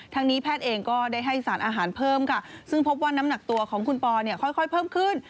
นี้แพทย์เองก็ได้ให้สารอาหารเพิ่มค่ะซึ่งพบว่าน้ำหนักตัวของคุณปอเนี่ยค่อยเพิ่มขึ้น